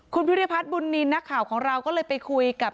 คุณพิริพัฒน์บุญนินทร์นักข่าวของเราก็เลยไปคุยกับ